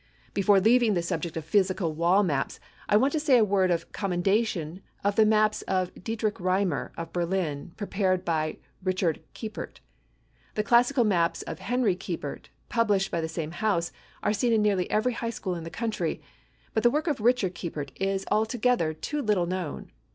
Before leaving the subject of physical wall maps, I want to say a word of commendation of the maps of Dietrich Reimer, of Berlin, prepared by Richard Kiepert. The classical maps of Henry Kiepert, published by the same house, are seen in nearly every high school in the country, but the work of Richard Kiepert is altogether too little known.